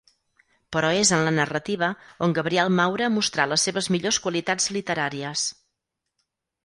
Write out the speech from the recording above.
Però és en la narrativa on Gabriel Maura mostrà les seves millors qualitats literàries.